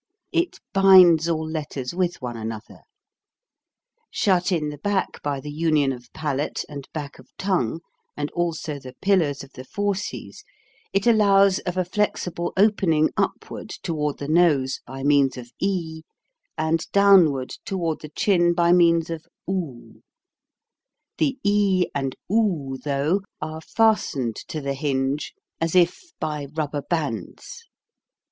It binds all letters with one another. Shut in the back by the union of palate and back of tongue and also the pillars of the fauces, it allows of a flexible opening upward toward the nose by means of e and downward toward the chin by means of do. The e and do, though, are fastened to the hinge as if by rubber bands.